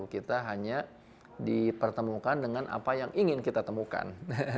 kita hanya dipertemukan dengan apa yang ingin kita temukan